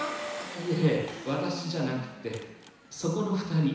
いえワタシじゃなくてそこの２人。